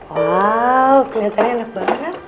waw kelihatannya enak banget